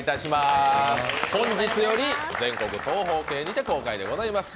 本日より全国東宝系にて公開でございます。